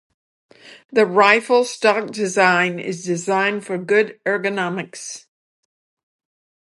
The rifle stock design is designed for good ergonomics.